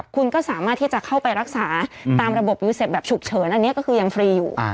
คุณก็สามารถที่จะเข้าไปรักษาตามระบบยูเซฟแบบฉุกเฉินอันนี้ก็คือยังฟรีอยู่